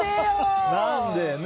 何で。